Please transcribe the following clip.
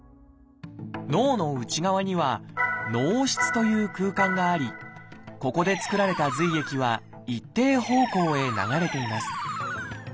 脳の内側には「脳室」という空間がありここでつくられた髄液は一定方向へ流れています